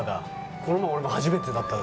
この前俺も初めてだったの。